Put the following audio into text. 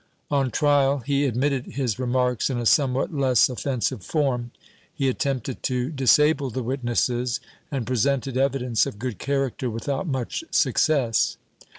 On trial he admitted his remarks in a somewhat less offensive form; he attempted to disable the witnesses and presented evidence of good character v;ithout much success.